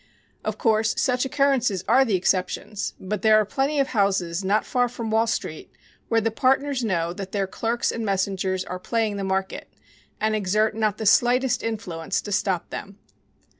Of course, such occurrences are the exceptions, but there are plenty of houses not far from Wall Street where the partners know that their clerks and messengers are "playing the market," and exert not the slightest influence to stop them.